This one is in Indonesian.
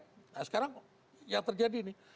nah sekarang yang terjadi nih